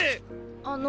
あの。